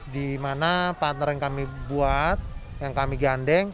di mana partner yang kami buat yang kami gandeng